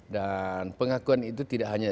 dan pengakuan itu tidak hanya